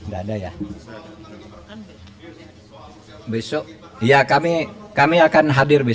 besok ya kami akan hadir besok